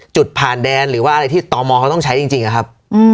จุดผ่านแดนหรือว่าอะไรที่ตมเขาต้องใช้จริงนะครับ